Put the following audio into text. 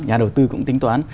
nhà đầu tư cũng tính toán